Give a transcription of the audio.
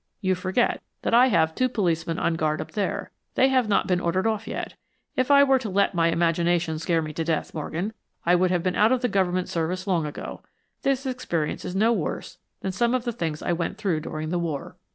"You forget that I have two policemen on guard up there. They've not been ordered off yet. If I were to let my imagination scare me to death, Morgan, I would have been out of the Government service long ago. This experience is no worse than some of the things I went through during the war."